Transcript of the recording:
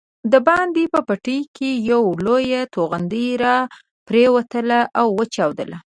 دباندې په بټۍ کې یوه لویه توغندۍ راپرېوتله او وچاودل.